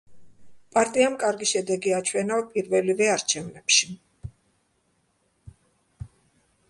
პარტიამ კარგი შედეგი აჩვენა პირველივე არჩევნებში.